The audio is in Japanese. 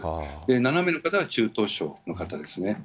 ７名の方が中等症の方ですね。